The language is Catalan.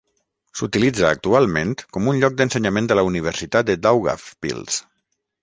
S'utilitza actualment com un lloc d'ensenyament de la Universitat de Daugavpils.